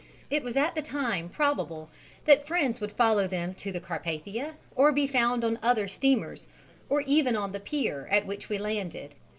It was at the time probable that friends would follow them to the Carpathia, or be found on other steamers, or even on the pier at which we landed.